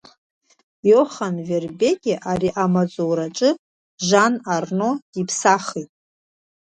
Иохан Вербеке ари амаҵураҿы Жан Арно диԥсахит.